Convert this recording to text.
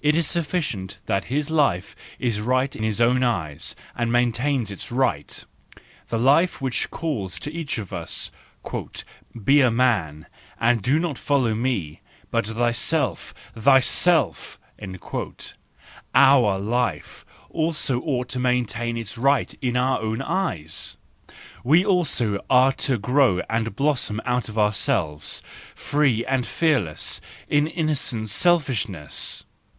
It is sufficient that his life is right in his own eyes, and maintains its right,—the life which calls to each of us : "Bea man, and do not follow me—but thyself! thyself!" Our life, also ought to main¬ tain its right in our own eyes! We also are to grow and blossom out of ourselves, free and fearless, in innocent selfishness!